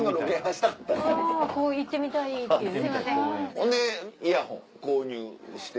ほんでイヤホン購入して。